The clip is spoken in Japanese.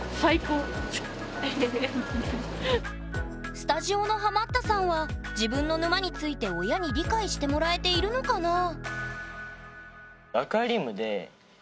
スタジオのハマったさんは自分の沼について親に理解してもらえているのかな？おお！